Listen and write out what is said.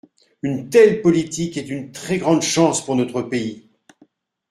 Une telle politique est une très grande chance pour notre pays.